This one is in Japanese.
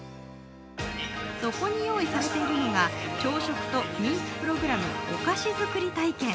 そこに用意されているのが朝食と人気プログラム、お菓子作り体験。